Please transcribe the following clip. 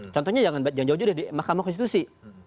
contohnya jangan jauh jauh deh di mahkamah konstitusi